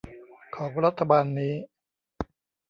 ของรัฐบาลนี้